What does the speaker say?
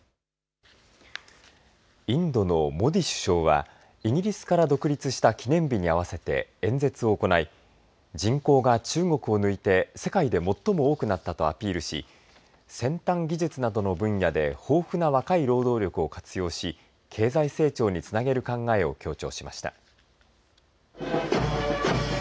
インドのモディ首相はイギリスから独立した記念日に合わせて演説を行い人口が中国を抜いて世界で最も多くなったとアピールし先端技術などの分野で豊富な若い労働力を活用し経済成長につなげる考えを強調しました。